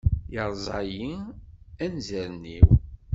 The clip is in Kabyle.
Yerẓa-iyi anzaren-iw!